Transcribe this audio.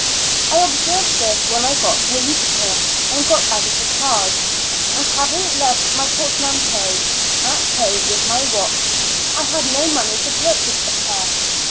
I observed this when I got to Utica, and got out of the cars ; and having left my porte monnaie at home with my watch, I had no money to purchase a pair.